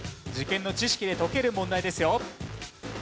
受験の知識で解ける問題ですよ。